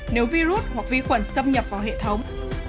nếu virus hoặc vi khuẩn xâm nhập vào hệ thống